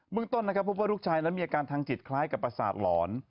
เมืองต้นนะครับพบว่าลูกชายนั้นมีอาการทางจิตคล้ายกับประสาทหลอน